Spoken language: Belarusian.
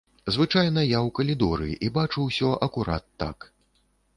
Звычайна я ў калідоры і бачу ўсё акурат так.